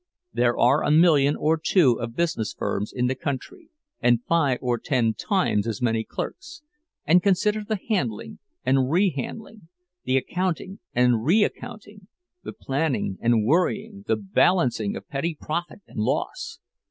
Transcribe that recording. There are a million or two of business firms in the country, and five or ten times as many clerks; and consider the handling and rehandling, the accounting and reaccounting, the planning and worrying, the balancing of petty profit and loss.